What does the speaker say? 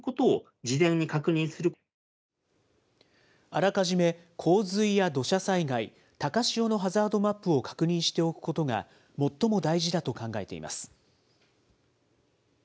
あらかじめ洪水や土砂災害、高潮のハザードマップを確認しておくことが最も大事だと考えています。